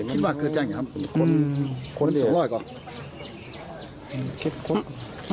คิดว่าเกิดจังไงครับคนคนสิบร้อยป่ะ